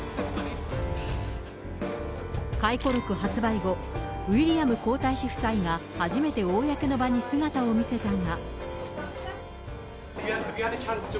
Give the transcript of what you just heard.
回顧録発売後、ウィリアム皇太子夫妻が初めて公の場に姿を見せたが。